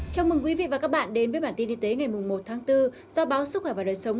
chào mừng quý vị và các bạn đến với bản tin y tế ngày một tháng bốn do báo sức khỏe và đời sống